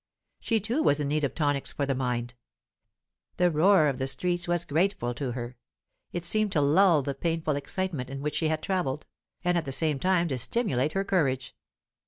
She too was in need of tonics for the mind. The roar of the streets was grateful to her; it seemed to lull the painful excitement in which she had travelled, and at the same time to stimulate her courage.